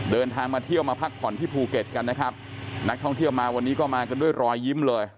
เดินทางมาเที่ยวมาพักผ่อนที่ภูเก็ตกันนะครับนักท่องเที่ยวมาวันนี้ก็มากันด้วยรอยยิ้มเลย